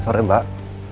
selamat sore mbak